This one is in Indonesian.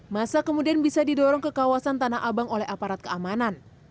masa kemudian bisa didorong ke kawasan tanah abang oleh aparat keamanan